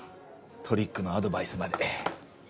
トリックのアドバイスまで。